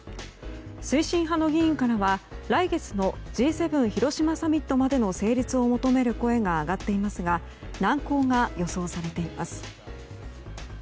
推進派の議員からは来月のＧ７広島サミットまでの成立を求める声が上がっていますが難航が予想されています。